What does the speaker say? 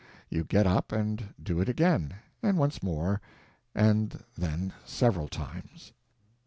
You get up and do it again; and once more; and then several times.